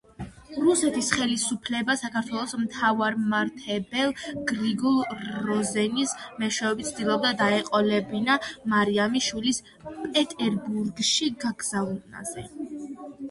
რუსეთის ხელისუფლება საქართველოს მთავარმართებელ გრიგოლ როზენის მეშვეობით ცდილობდა, დაეყოლიებინა მარიამი შვილის პეტერბურგში გაგზავნაზე.